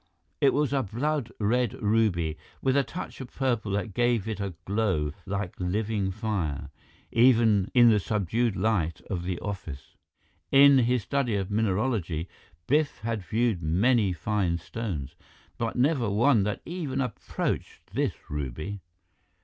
It was a blood red ruby, with a touch of purple that gave it a glow like living fire, even in the subdued light of the office. In his study of mineralogy, Biff had viewed many fine stones, but never one that even approached this ruby.